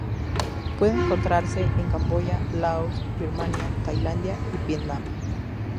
Puede encontrarse en Camboya, Laos, Birmania, Tailandia y Vietnam.